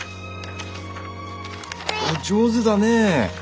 上手だね。